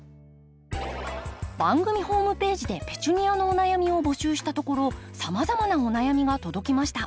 番組ホームページでペチュニアのお悩みを募集したところさまざまなお悩みが届きました。